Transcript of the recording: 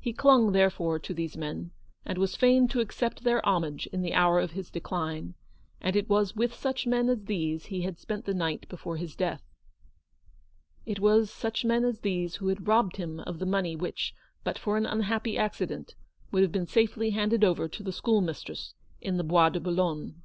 He clung, there fore, to these men, and was fain to accept their homage in the hour of his decline ; and it was with such men as these he had spent the night before his death. It was such men as these who had robbed him of the money which, but for an unhappy accident, would have been safely handed over to the schoolmistress in the Bois de Boulogne.